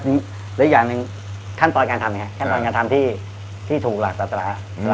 และอีกอย่างหนึ่งขั้นปฏิการทำังง่ายที่ถูกหลักสาบรา